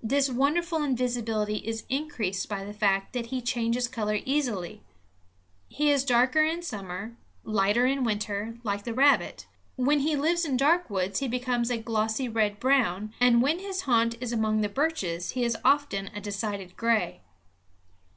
This wonderful invisibility is increased by the fact that he changes color easily. He is darker in summer, lighter in winter, like the rabbit. When he lives in dark woods he becomes a glossy red brown; and when his haunt is among the birches he is often a decided gray.